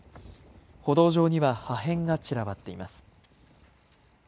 歩道上には破片が散らばっています。